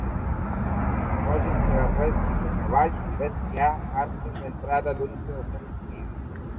Dipòsits de restes de cavalls i bestiar marquen l'entrada d'un dels cementiris.